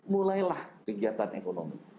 mulailah kegiatan ekonomi